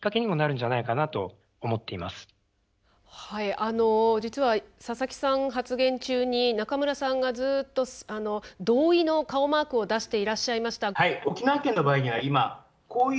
あの実は佐々木さん発言中に中村さんがずっと同意の顔マークを出していらっしゃいました。